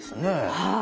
はい。